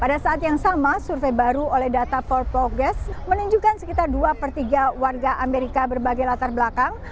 pada saat yang sama survei baru oleh data empat progus menunjukkan sekitar dua per tiga warga amerika berbagai latar belakang